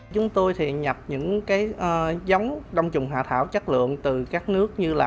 chúng tôi nhập những giống đông trùng hạ thảo chất lượng từ các nước như là